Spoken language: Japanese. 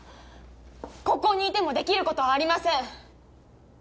ここにいてもできることはありません。